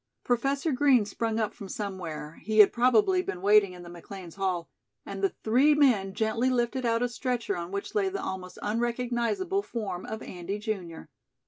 Professor Green sprung up from somewhere, he had probably been waiting in the McLeans' hall and the three men gently lifted out a stretcher on which lay the almost unrecognizable form of Andy, junior.